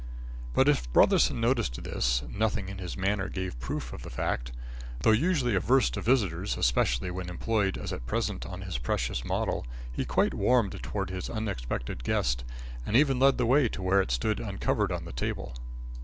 But if Brotherson noticed this, nothing in his manner gave proof of the fact. Though usually averse to visitors, especially when employed as at present on his precious model, he quite warmed towards his unexpected guest, and even led the way to where it stood uncovered on the table.